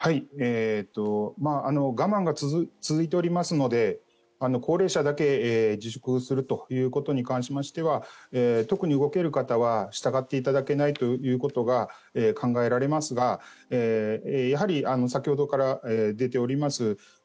我慢が続いておりますので高齢者だけ自粛するということに関しましては特に動ける方は従っていただけないということが考えられますがやはり先ほどから出ております